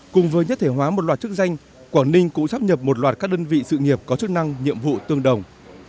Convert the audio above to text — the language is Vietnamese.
cùng với nhất thể hóa một loạt chức danh quảng ninh cũng sắp nhập một loạt các đơn vị sự nghiệp có chức năng nhiệm vụ tương đồng